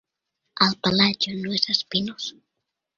El pelatge no és espinós.